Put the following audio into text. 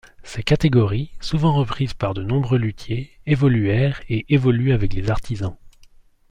Ces catégories, souvent reprises par de nombreux luthiers, évoluèrent et évoluent avec les artisans.